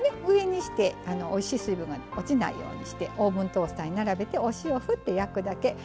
上にしておいしい水分が落ちないようにしてオーブントースターに並べてお塩ふって焼くだけ。